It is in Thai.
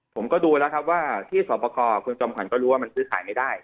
ผมก็ดูแล้วครับว่าที่สวัสดิ์ปกรณ์คุณจำอภัณฑ์ก็รู้ว่ามันซื้อขายไม่ได้